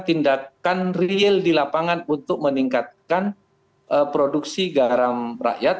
tindakan real di lapangan untuk meningkatkan produksi garam rakyat